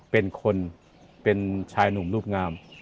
เป็นคนเป็นชายหนุ่มรูปงาม